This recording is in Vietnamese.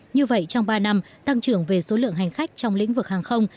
như vậy trong ba năm tăng trưởng về số lượng hành khách trong lĩnh vực hàng không